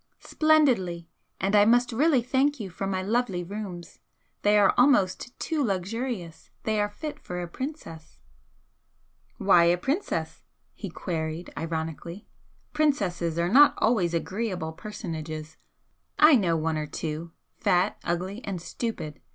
"Splendidly! And I must really thank you for my lovely rooms, they are almost too luxurious! They are fit for a princess." "Why a princess?" he queried, ironically "Princesses are not always agreeable personages. I know one or two, fat, ugly and stupid.